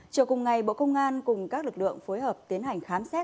chiều cùng ngày bộ công an cùng các lực lượng phối hợp tiến hành khám xét